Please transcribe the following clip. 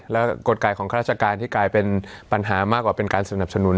แล้วกฎกายของข้าราชการที่กลายเป็นปัญหามากกว่าเป็นการสนับสนุน